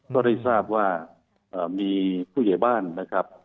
ก็ได้ทราบว่ามีผู้ใหญ่บ้านนะครับ